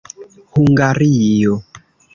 Hungario.